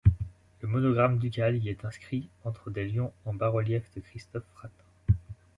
Le monogramme ducal y est inscrit entre des lions en bas-relief de Christophe Fratin.